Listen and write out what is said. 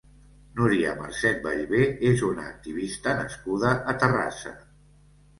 Nuria Marcet Ballber és una activista nascuda a Terrassa.